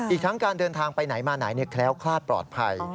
อีกทั้งการเดินทางไปไหนมาไหนแคล้วคลาดปลอดภัย